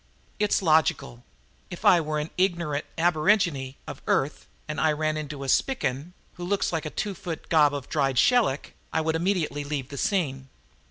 It's logical. If I were an ignorant aborigine of Earth and I ran into a Spican, who looks like a two foot gob of dried shellac, I would immediately leave the scene.